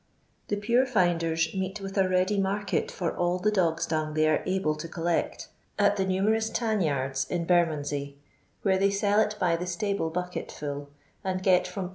The pure finders meet with a ready market for all the dogs' dung they are able to collect, at the nnmt i reus tanyards in Bermondsey, where thej lell it by the sUble bucket full, and get from Sd.